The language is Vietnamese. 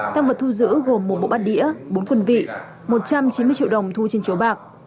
tăng vật thu giữ gồm một bộ bát đĩa bốn quân vị một trăm chín mươi triệu đồng thu trên chiếu bạc